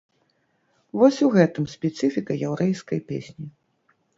Вось у гэтым спецыфіка яўрэйскай песні.